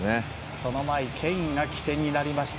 その前ケインが起点になりました。